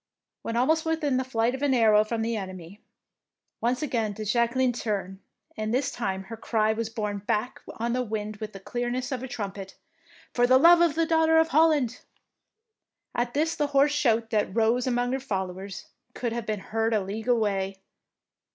When almost within the flight of an arrow from the enemy, once again did Jacqueline turn, and this time her cry 89 DEEDS OF DAKING was borne back on the wind with the clearness of a trumpet, — "For love of the Daughter of Hol land." At this the hoarse shout that rose among her followers could have been heard a league away.